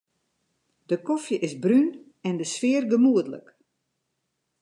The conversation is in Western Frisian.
De kofje is brún en de sfear gemoedlik.